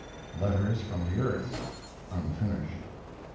LETTERS FROM THE EARTH (unfinished).